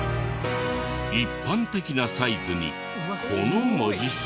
一般的なサイズにこの文字数。